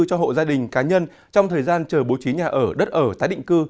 cho hộ gia đình cá nhân trong thời gian chờ bố trí nhà ở đất ở tái định cư